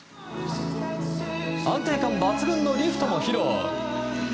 安定感抜群のリフトも披露。